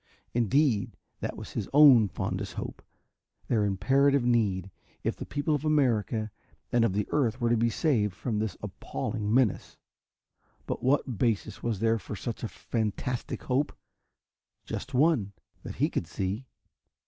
Indeed, that was his own fondest hope their imperative need, if the people of America and of the earth were to be saved from this appalling menace. But what basis was there for such a fantastic hope? Just one, that he could see.